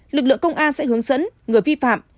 lực lượng công an sẽ hướng dẫn người vi phạm